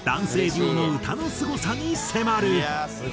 デュオの歌のすごさに迫る。